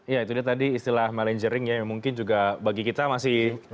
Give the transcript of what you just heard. ya itu dia tadi istilah melingering ya yang mungkin juga bagi kita masih